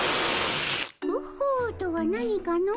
うっほとは何かの？